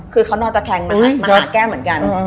คือเขานอกจากแข็งมาหาแก้วเหมือนกัน